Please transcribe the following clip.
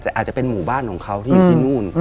แต่อาจจะเป็นหมู่บ้านของเขาที่อยู่ที่นู่น